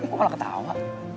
gue malah ketawa